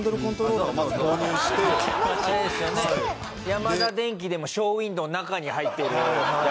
ヤマダデンキでもショーウィンドーの中に入ってるやつですよね？